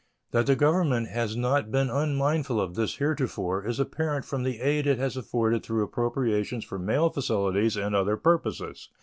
That the Government has not been unmindful of this heretofore is apparent from the aid it has afforded through appropriations for mail facilities and other purposes.